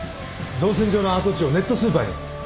造船所の跡地をネットスーパーに。